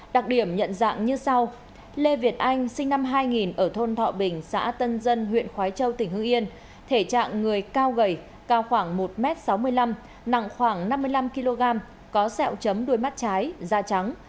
đặc điểm nhận dạng như sau lê việt anh sinh năm hai nghìn ở thôn thọ bình xã tân dân huyện khói châu tỉnh hương yên thể trạng người cao gầy cao khoảng một m sáu mươi năm nặng khoảng năm mươi năm kg có sẹo chấm đuôi mắt trái da trắng